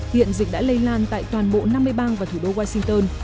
hiện dịch đã lây lan tại toàn bộ năm mươi bang và thủ đô washington